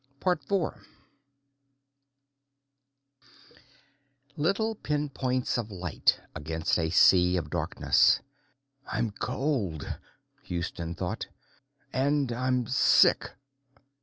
Little pinpoints of light against a sea of darkness. I'm cold, Houston thought. _And I'm sick.